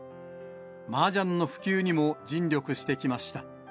マージャンの普及にも尽力してきました。